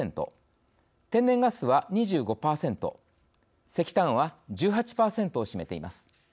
天然ガスは２５％石炭は１８％を占めています。